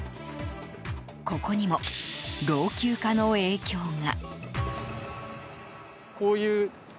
ここにも、老朽化の影響が。